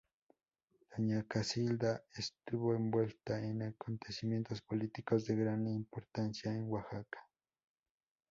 Doña Casilda estuvo envuelta en acontecimientos políticos de gran importancia en Oaxaca.